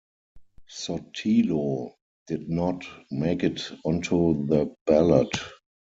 Sotelo did not make it onto the ballot.